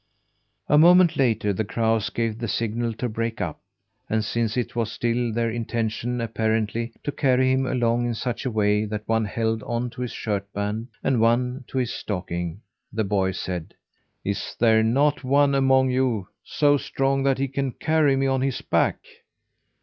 A moment later the crows gave the signal to break up; and since it was still their intention, apparently, to carry him along in such a way that one held on to his shirt band, and one to a stocking, the boy said: "Is there not one among you so strong that he can carry me on his back?